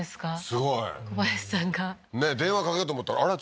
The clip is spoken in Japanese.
すごい小林さんが電話かけようと思ったらあれ？